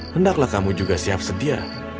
hendaklah kamu juga siap sedia